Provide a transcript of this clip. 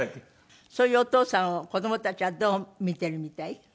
そういうお父さんを子どもたちはどう見てるみたい？